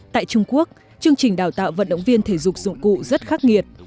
tại trung quốc chương trình đào tạo vận động viên thể dục dụng cụ rất khắc nghiệt